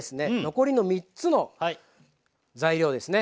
残りの３つの材料ですね